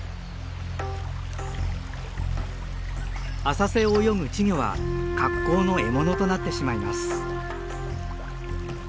浅瀬を泳ぐ稚魚は格好の獲物となってしまいます。